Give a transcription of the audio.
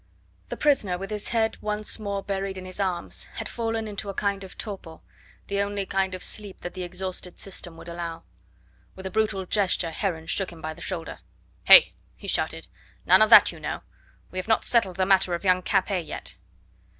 The prisoner, with his head once more buried in his arms, had fallen into a kind of torpor, the only kind of sleep that the exhausted system would allow. With a brutal gesture Heron shook him by the shoulder. "He," he shouted, "none of that, you know. We have not settled the matter of young Capet yet."